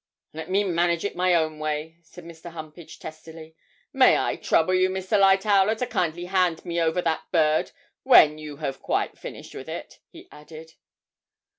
'Let me manage it my own way,' said Mr. Humpage, testily. 'May I trouble you, Mr. Lightowler, to kindly hand me over that bird when you have quite finished with it?' he added.